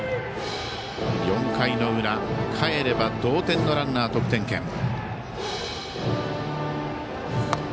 ４回の裏、かえれば同点のランナーが得点圏。